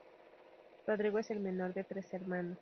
Rodrigo es el menor de tres hermanos.